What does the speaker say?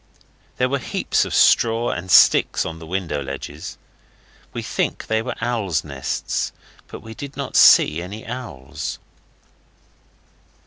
There were heaps of straws and sticks on the window ledges. We think they were owls' nests, but we did not see any owls.